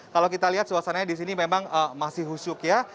kalau kita lihat suasananya di sini memang masih husuk ya